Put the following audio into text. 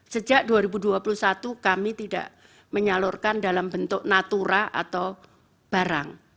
sejak dua ribu dua puluh satu kami tidak menyalurkan dalam bentuk natura atau barang